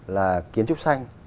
là kiến trúc xanh